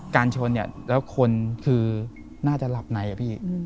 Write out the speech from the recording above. ชนเนี่ยแล้วคนคือน่าจะหลับในอะพี่